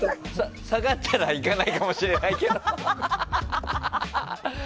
下がったら行かないかもしれないけど。